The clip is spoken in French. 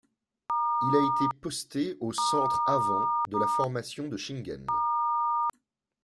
Il a été posté au centre avant de la formation de Shingen.